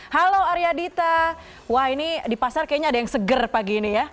halo arya dita wah ini di pasar kayaknya ada yang seger pagi ini ya